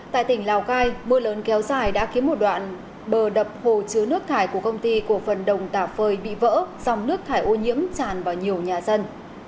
tại tỉnh lào cai mưa lớn kéo dài đã khiến một đoạn bờ đập hồ chứa nước thải của công ty cổ phần đồng tà phơi bị vỡ dòng nước thải ô nhiễm tràn vào nhiều nhà dân